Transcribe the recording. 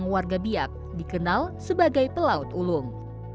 berita terkini mengenai cuaca ekstrem dua ribu dua puluh satu